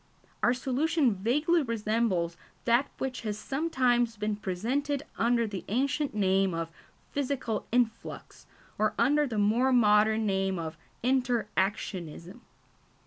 Our solution vaguely resembles that which has sometimes been presented under the ancient name of physical influx, or under the more modern name of inter actionism.